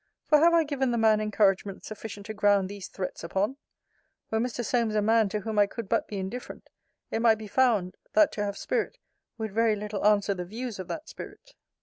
For have I given the man encouragement sufficient to ground these threats upon? Were Mr. Solmes a man to whom I could but be indifferent, it might be found, that to have spirit, would very little answer the views of that spirit.